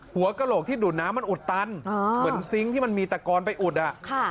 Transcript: หัวกระโหลกที่ดูดน้ำมันอุดตันเหมือนซิงค์ที่มันมีตะกอนไปอุดอ่ะค่ะ